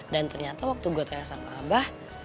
ternyata waktu gue tanya sama abah